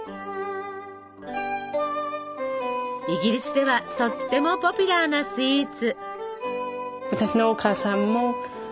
イギリスではとってもポピュラーなスイーツ。